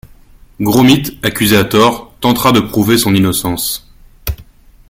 Gromit, accusé à tort, tentera de prouver son innocence…